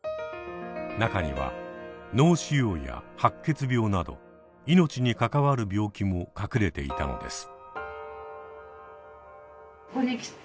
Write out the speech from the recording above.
中には脳腫瘍や白血病など命に関わる病気も隠れていたのです。